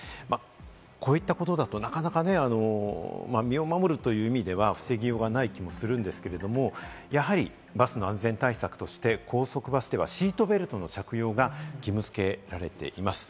こういったことだと、なかなか身を守るという意味では防ぎようがない気もするんですけれど、やはりバスの安全対策として、高速バスではシートベルトの着用が義務付けられています。